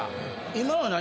今は何？